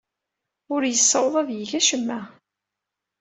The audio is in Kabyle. Ur yessawaḍ ad yeg acemma.